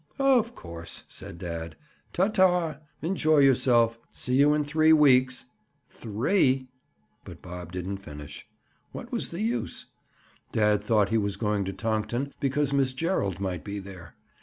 "Of course," said dad. "Ta! ta! Enjoy yourself. See you in three weeks." "Three—!" But Bob didn't finish. What was the use? Dad thought he was going to Tonkton because Miss Gerald might be there.